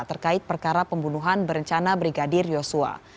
terkait perkara pembunuhan berencana brigadir yosua